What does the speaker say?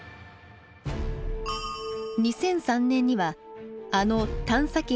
２００３年にはあの探査機